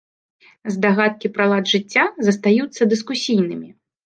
Здагадкі пра лад жыцця застаюцца дыскусійнымі.